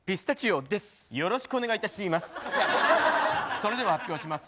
それでは発表します。